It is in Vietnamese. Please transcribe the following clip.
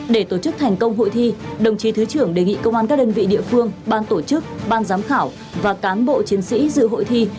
để tổ chức thành công hội thi đồng chí thứ trưởng đề nghị công an các đơn vị địa phương ban tổ chức ban giám khảo và cán bộ chiến sĩ dự hội thi